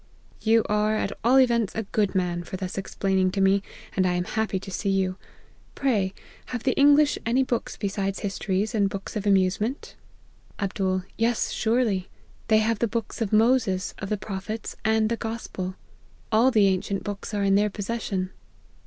"' You are, at all events, a good man, for 4 thus explaining to me, and I am happy to see you. ray, have the English any books beside histories and books of amusement ?' 216 APPENDIX. ' Yes, surely ; they have the books of Moses, of the Prophets, and the Gospel All the ancient books are in their possession.'